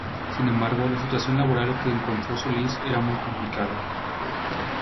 Sin embargo, la situación laboral que se encontró Solís era muy complicada.